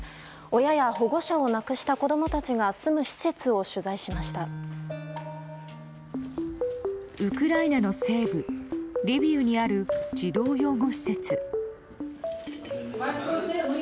親や保護者を亡くした子供たちが住む施設をウクライナの西部リビウにある児童養護施設。